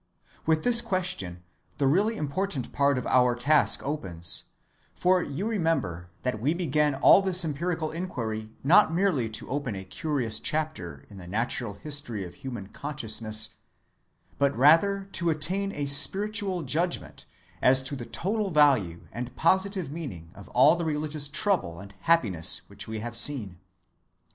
With this question the really important part of our task opens, for you remember that we began all this empirical inquiry not merely to open a curious chapter in the natural history of human consciousness, but rather to attain a spiritual judgment as to the total value and positive meaning of all the religious trouble and happiness which we have seen.